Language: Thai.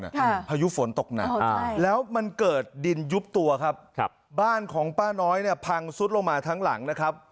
พายุฝนตกหนักอ่าแล้วมันเกิดดินยุบตัวครับครับบ้านของป้าน้อยเนี่ยพังซุดลงมาทั้งหลังนะครับ